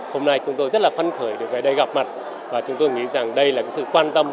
hôm nay chúng tôi rất là phân khởi được về đây gặp mặt và chúng tôi nghĩ rằng đây là sự quan tâm